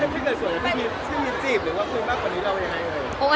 พี่เกิดสวยว่าพี่พีชชื่อมีจีบหรือว่าเครื่องรักกว่านี้เล่าอย่างไรเลย